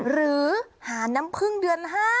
หรือหาน้ำพึ่งเดือน๕